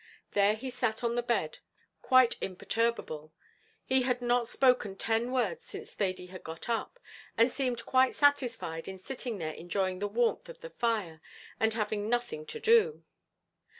There he sat on the bed, quite imperturbable; he had not spoken ten words since Thady had got up, and seemed quite satisfied in sitting there enjoying the warmth of the fire, and having nothing to do.